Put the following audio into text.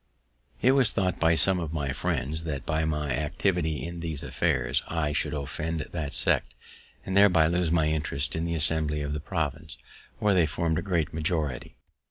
It was thought by some of my friends that, by my activity in these affairs, I should offend that sect, and thereby lose my interest in the Assembly of the province, where they formed a great majority.